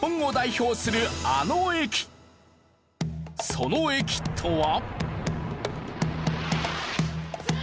その駅とは。